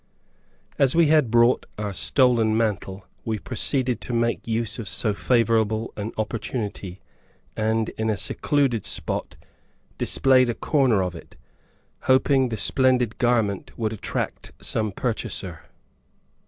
As we had brought our stolen mantle, we proceeded to make use of so favorable an opportunity, and, in a secluded spot, displayed a corner of it, hoping the splendid garment would attract some purchaser.